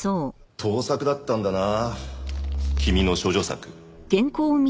盗作だったんだな君の処女作。